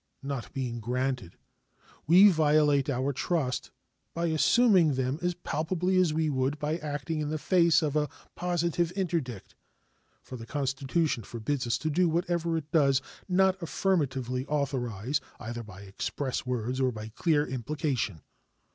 Not being granted, we violate our trust by assuming them as palpably as we would by acting in the face of a positive interdict; for the Constitution forbids us to do whatever it does not affirmatively authorize, either by express words or by clear implication.